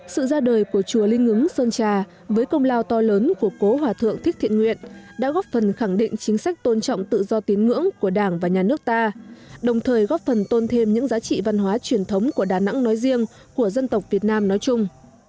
sự ra đời của chùa linh ngứng sơn trà với công lao to lớn của cố hòa thượng thích thiện nguyện đã góp phần khẳng định chính sách tôn trọng tự do tín ngưỡng của đảng và nhà nước ta đồng thời góp phần tôn thêm những giá trị văn hóa truyền thống của đà nẵng nói riêng của dân tộc việt nam nói chung